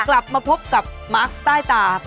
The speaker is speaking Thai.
กลับมาพบกับมาร์คใต้ตา